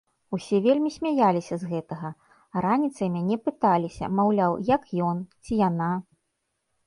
Усе вельмі смяяліся з гэтага, раніцай мяне пыталіся, маўляў, як ён, ці яна?